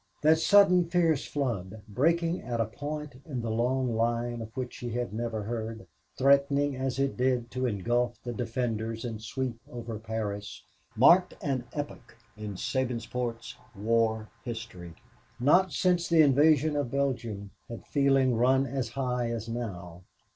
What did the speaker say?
That sudden fierce flood, breaking at a point in the long line of which she had never heard, threatening as it did to engulf the defenders and sweep over Paris, marked an epoch in Sabinsport's war history. Not since the invasion of Belgium had feeling run as high as now.